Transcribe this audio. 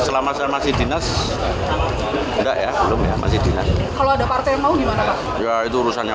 selama saya masih dinas enggak ya belum ya masih dinas kalau ada partai mau gimana pak ya itu urusannya